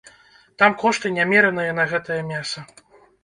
Там кошты нямераныя на гэтае мяса.